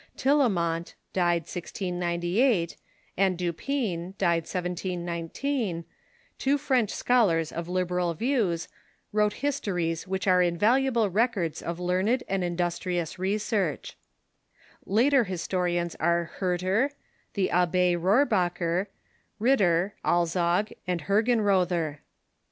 Tillemont (died 1698) and Dupin (died 1719), two French scholars of liberal views, wrote histories which are invaluable records of learned and industrious research. Later historians are Hurter, the Abbe Rohrbacher, Ritter, Alzog, and Hergenrother.